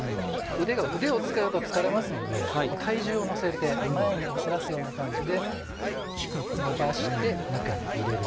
腕を使うと疲れますので体重をのせて前に押し出すような感じでのばして中に入れる。